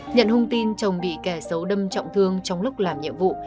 nhận hung tin chồng bị kẻ xấu đâm trọng thương trong lúc làm nhiệm vụ